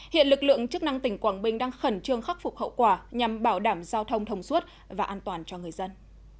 hiện lực lượng chức năng tỉnh quảng bình đang khẩn trương khắc phục hậu quả nhằm bảo đảm giao thông thông suốt và an toàn cho người dân